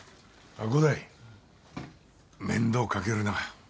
伍代面倒かけるな。